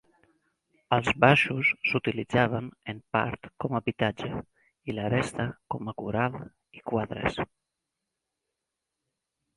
Els baixos s'utilitzaven en part com habitatge i la resta com a corral i quadres.